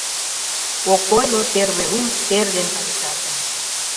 Ок ойло первый лум тер ден кайышашым